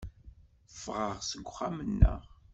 Ffɣeɣ seg uxxam-nneɣ.